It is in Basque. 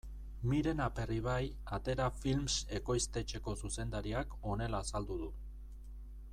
Miren Aperribai Atera Films ekoiztetxeko zuzendariak honela azaldu du.